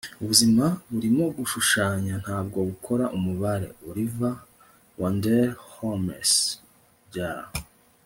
ubuzima burimo gushushanya, ntabwo bukora umubare. - oliver wendell holmes, jr